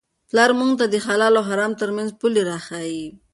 پلار موږ ته د حلال او حرام ترمنځ پولې را ښيي.